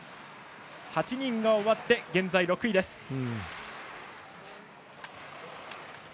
８人が終わって現在６位です。